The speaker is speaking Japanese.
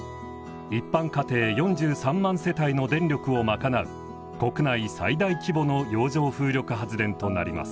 一般家庭４３万世帯の電力をまかなう国内最大規模の洋上風力発電となります。